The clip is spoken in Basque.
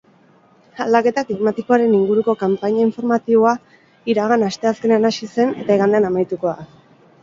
Aldaketa klimatikoaren inguruko kanpaina informatiboa iragan asteazkenean hasi zen eta igandean amaituko da.